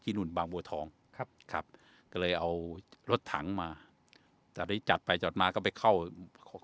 นู่นบางบัวทองครับครับก็เลยเอารถถังมาตอนนี้จัดไปจอดมาก็ไปเข้า